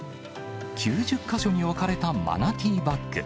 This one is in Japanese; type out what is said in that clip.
９０か所に置かれたマナティバッグ。